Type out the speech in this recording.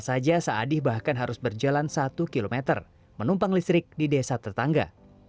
saja saadi bahkan harus berjalan satu km menumpang listrik di desa tetangga